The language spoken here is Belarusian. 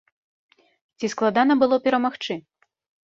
Ці складана было перамагчы?